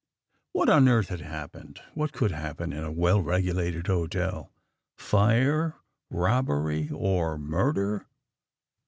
"What on earth had happened? What could happen in a well regulated hotel? "Fire, robbery, or murder?